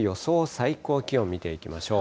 最高気温見ていきましょう。